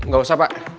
gak usah pak